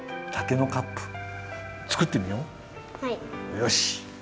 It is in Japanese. よし！